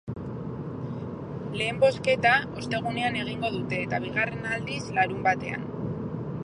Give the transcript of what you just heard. Lehen bozketa ostegunean egingo dute, eta bigarrena, aldiz, larunbatean.